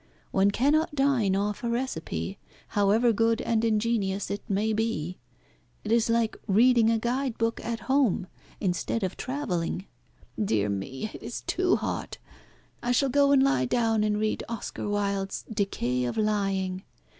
One cannot dine off a recipe, however good and ingenious it may be. It is like reading a guide book at home instead of travelling. Dear me, it is too hot! I shall go and lie down and read Oscar Wilde's 'Decay of Lying.'